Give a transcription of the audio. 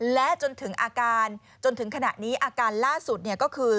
และจนถึงอาการจนถึงขณะนี้อาการล่าสุดก็คือ